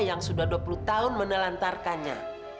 yang sudah dua puluh tahun menelantarkannya